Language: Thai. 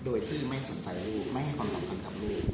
โดยที่ไม่สนใจลูกไม่ให้ความสำคัญกับลูก